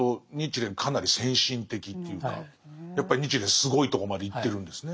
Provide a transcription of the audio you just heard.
そう考えるとやっぱり日蓮すごいとこまでいってるんですね。